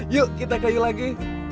yuk kita kayu lagi